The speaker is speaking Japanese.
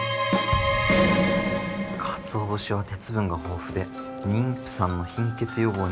かつお節は鉄分が豊富で妊婦さんの貧血予防にも効果的と。